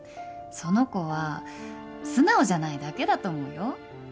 その子は素直じゃないだけだと思うよ。